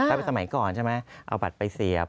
ถ้าเป็นสมัยก่อนใช่ไหมเอาบัตรไปเสียบ